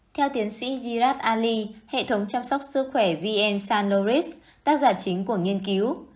theo tiến sĩ girard ali hệ thống chăm sóc sức khỏe vn sanloris tác giả chính của nghiên cứu